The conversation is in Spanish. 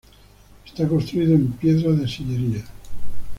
Está construido en piedra de sillería.